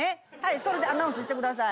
それでアナウンスしてください。